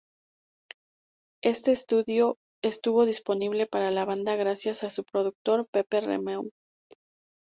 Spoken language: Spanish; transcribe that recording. Este estudio estuvo disponible para la banda gracias a su productor Pepe Romeu.